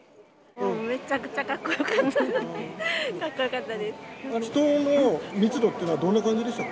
めちゃくちゃかっこよかった。